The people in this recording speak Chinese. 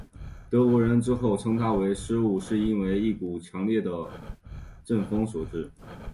德国人之后称他的失误是因为一股强烈的阵风所致。